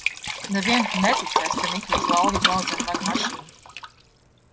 Neviens neticēs, ka Nikijs Lauda brauca ar manu mašīnu!